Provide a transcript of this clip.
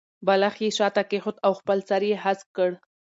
بالښت یې شاته کېښود او خپل سر یې هسک کړ.